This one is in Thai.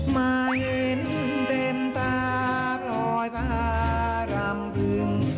มาเย็นเต็มตาปล่อยภาษารามกึ่ง